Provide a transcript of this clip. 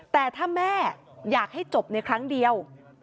แต่ถ้าแม่อยากให้จบในครั้งเดียว